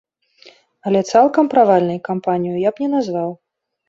Але цалкам правальнай кампанію я б не назваў.